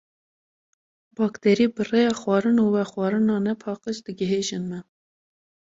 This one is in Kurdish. Bakterî bi rêya xwarin û vexwarina nepaqij digihêjin me.